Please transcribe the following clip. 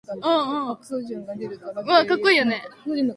Soon after, he inherited the territories of Massa and Carrara from his mother.